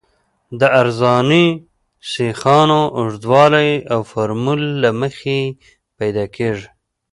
د عرضاني سیخانو اوږدوالی د فورمول له مخې پیدا کیږي